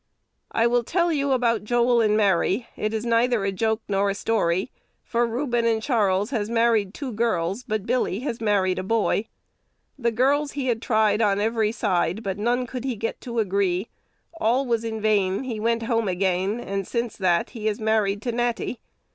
"I will tell you about Joel and Mary: it is neither a joke or a story, for Reuben and Charles has married two girls, but Billy has married a boy." "The girls he had tried on every side, But none could he get to agree: All was in vain; he went home again, And, since that, he is married to Natty.